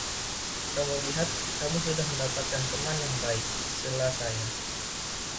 "Kamu lihat, kamu sudah mendapatkan teman yang baik," sela saya.